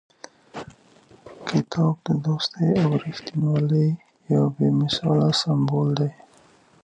کتاب د دوستۍ او رښتینولۍ یو بې مثاله سمبول دی.